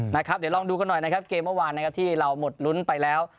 เดี๋ยวลองดูกันหน่อยนะครับเกมเมื่อวานนะครับที่เราหมดลุ้นไปแล้ว